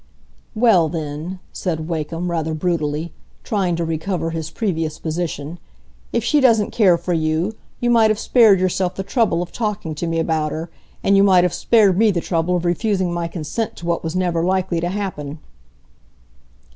"Well, then," said Wakem, rather brutally, trying to recover his previous position, "if she doesn't care for you, you might have spared yourself the trouble of talking to me about her, and you might have spared me the trouble of refusing my consent to what was never likely to happen."